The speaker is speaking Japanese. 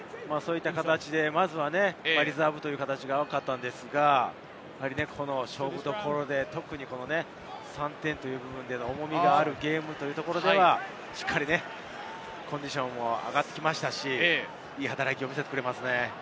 まずはリザーブが多かったのですが、勝負どころで、特に３点という部分での重みがあるゲームではしっかりコンディションも上がってきましたしいい働きを見せてくれますよね。